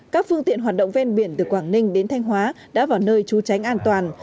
các phương tiện hoạt động ven biển từ quảng ninh đến thanh hóa đã vào nơi trú tránh an toàn